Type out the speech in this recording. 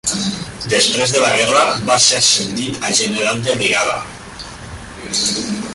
Després de la guerra, va ser ascendit a general de brigada.